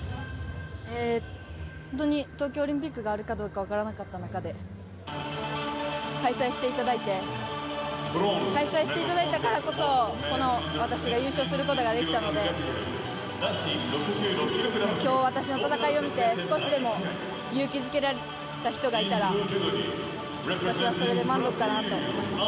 東京オリンピックがあるかどうか分からなかった中で開催していただいて開催していただいたからこそ私が優勝することができたので今日、私の戦いを見て少しでも勇気づけられた人がいたら私はそれで満足だなと思います。